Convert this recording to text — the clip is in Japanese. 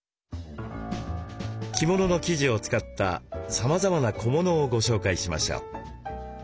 着物の生地を使ったさまざまな小物をご紹介しましょう。